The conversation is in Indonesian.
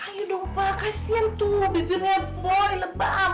ayo dong pak kasian tuh bibirnya boy lebam